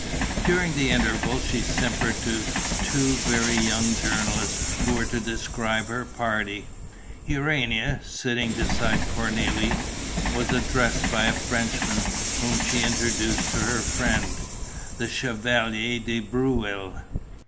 During the interval she simpered to two very young journalists who were to describe her party. Urania, sitting beside Cornélie, was addressed by a Frenchman whom she introduced to her friend: the Chevalier de Breuil.